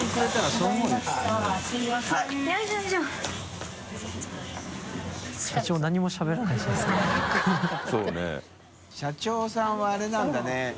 修Δ諭社長さんはあれなんだね。